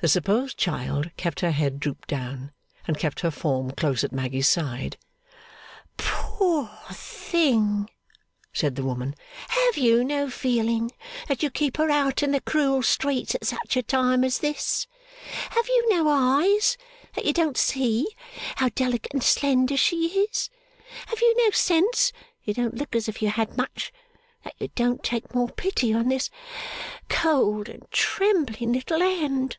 The supposed child kept her head drooped down, and kept her form close at Maggy's side. 'Poor thing!' said the woman. 'Have you no feeling, that you keep her out in the cruel streets at such a time as this? Have you no eyes, that you don't see how delicate and slender she is? Have you no sense (you don't look as if you had much) that you don't take more pity on this cold and trembling little hand?